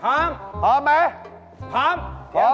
พร้อมไหมพร้อมพร้อมไหมพร้อม